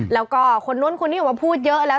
แล้วก็คนนู้นคนนี้ออกมาพูดเยอะแล้ว